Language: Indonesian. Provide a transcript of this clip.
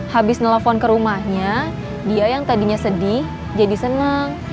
habis nelfon ke rumahnya dia yang tadinya sedih jadi senang